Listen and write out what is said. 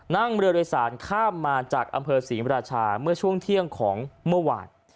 นั่งเรือโดยสารข้ามมาจากอำเภอศรีมราชาเมื่อช่วงเที่ยงของเมื่อวาน